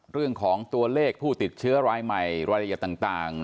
เรื่องของตัวเลขผู้ติดเชื้อรายใหม่รายละเอียดต่าง